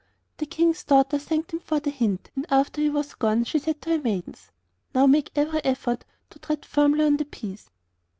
The King's daughter thanked him for the hint, and after he was gone she said to her maidens: 'Now make every effort to tread firmly on the peas.